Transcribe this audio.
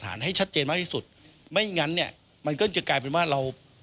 แต่ถ้าทุกอย่างคันตอนสอบหาคำ